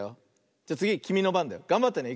じゃつぎきみのばんだよ。がんばってね。